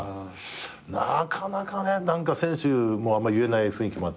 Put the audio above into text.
なかなかね何か選手もあんま言えない雰囲気もあったし。